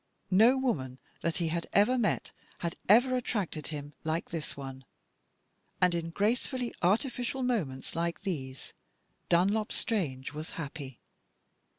No woman that he had ever met had ever attracted him like this one. And in gracefully artificial moments like these Dun lop Strange was happy.